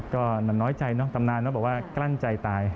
ก็หน่วยใจตำนานบอกว่ากลั้นใจตาย